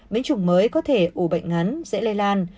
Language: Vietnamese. biến chủng mới có thể ủ bệnh ngắn dễ lây lan